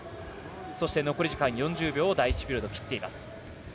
そして、残り時間４０秒を第１ピリオドは切っています。